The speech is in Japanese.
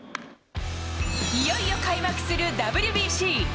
いよいよ開幕するＷＢＣ。